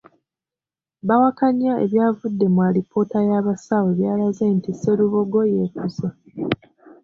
Bawakanya ebyavudde mu alipoota y’abasawo ebyalaze nti Sserubogo yeetuze.